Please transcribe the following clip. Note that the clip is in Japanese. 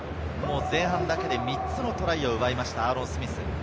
前半だけで３つのトライを奪いました、アーロン・スミス。